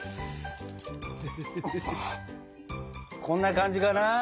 こんな感じかな？